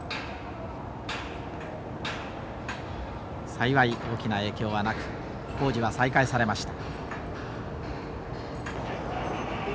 幸い大きな影響はなく工事は再開されました。